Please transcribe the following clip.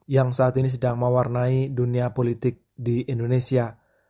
yang saat ini sedang mewarnai dunia politik di indonesia